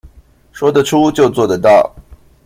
說得出就做得到